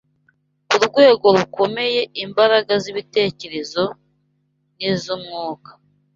ku rwego rukomeye imbaraga z’intekerezo n’iz’umwuka